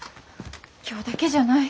今日だけじゃない。